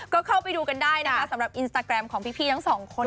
ก็เข้าไปดูกันได้นะคะสำหรับอินสตาแกรมของพี่ทั้งสองคน